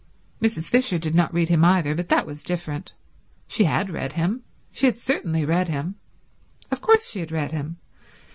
Mrs. Fisher did not read him either, but that was different. She had read him; she had certainly read him. Of course she had read him.